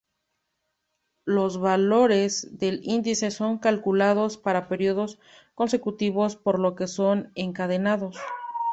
Los valores del índice son calculados para periodos consecutivos por lo que son encadenados.